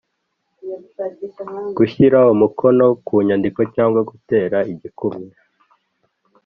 Gushyira umukono ku nyandiko cyangwa gutera igikumwe